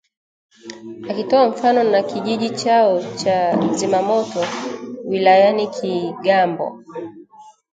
akitoa mfano na kijiji chao cha Zimamoto wilayani Kigambo